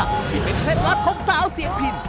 ที่เป็นเคล็ดลับของสาวเสียงพิน